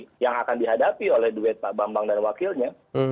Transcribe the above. yang akan dihadapi oleh duit pak bambang dan wakilnya